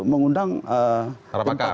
mengundang tim pakar